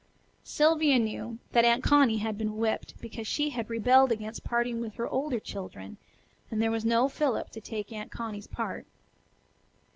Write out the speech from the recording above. Sylvia knew that Aunt Connie had been whipped because she had rebelled against parting with her older children, and there was no Philip to take Aunt Connie's part.